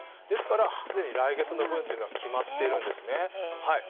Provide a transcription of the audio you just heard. ですから、すでに来月の分は決まっているんですね。